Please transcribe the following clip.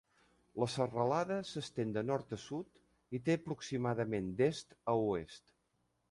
La serralada s'estén de nord a sud i té aproximadament d'est a oest.